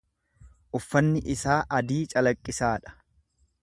uffanni isaa adii calaqqisaa dha,